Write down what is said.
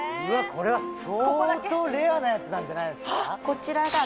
これは相当レアなやつなんじゃないですか？